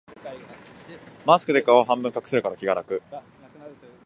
マスクで顔を半分隠せるから気が楽